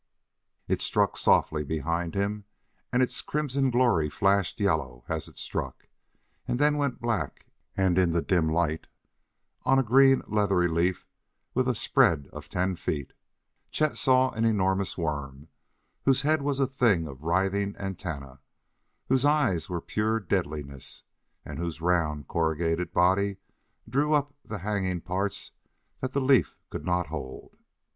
It struck softly behind him, and its crimson glory flashed yellow as it struck, then went black and in the dim light, on a great leathery leaf with a spread of ten feet, Chet saw an enormous worm, whose head was a thing of writhing antennae, whose eyes were pure deadliness, and whose round corrugated body drew up the hanging part that the leaf could not hold.